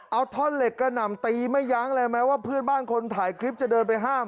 เอาท่อนเหล็กกระหน่ำตีไม่ยั้งเลยแม้ว่าเพื่อนบ้านคนถ่ายคลิปจะเดินไปห้าม